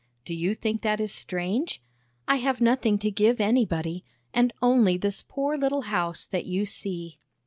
Do you think that is strange? I have nothing to give anybody, and only this poor little house that you see."